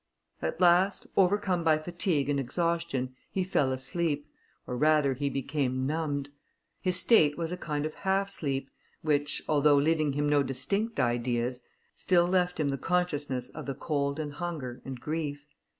At last, overcome by fatigue and exhaustion, he fell asleep, or rather he became numbed; his state was a kind of half sleep, which, although leaving him no distinct ideas, still left him the consciousness of the cold and hunger, and grief.